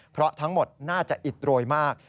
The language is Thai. เพราะทั้งหมดน่าจะอิดโรยมาก